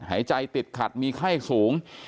หายใจติดขัดมีไข้สูง